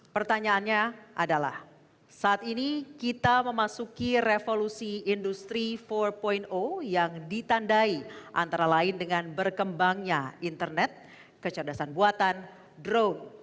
pertanyaannya adalah saat ini kita memasuki revolusi industri empat yang ditandai antara lain dengan berkembangnya internet kecerdasan buatan drone